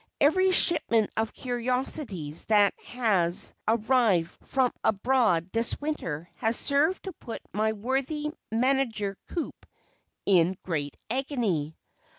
Every shipment of curiosities that has arrived from abroad this winter has served to put my worthy Manager Coup in great agony.